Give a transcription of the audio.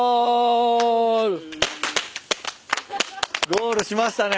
ゴールしましたね。